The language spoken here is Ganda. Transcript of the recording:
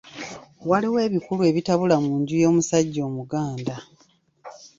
Waliwo ebikulu ebitabula mu nju y’omusajja Omuganda.